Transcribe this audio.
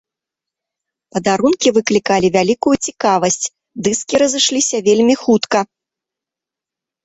Падарункі выклікалі вялікую цікавасць, дыскі разышліся вельмі хутка.